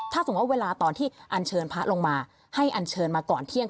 ถ้าสมมุติว่าเวลาตอนที่อันเชิญพระลงมาให้อันเชิญมาก่อนเที่ยง